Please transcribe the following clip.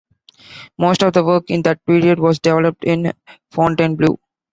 Most of the work in that period was developed in Fontainebleau.